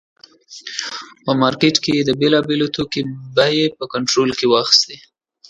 په مارکېټ کې یې د بېلابېلو توکو بیې په کنټرول کې واخیستې.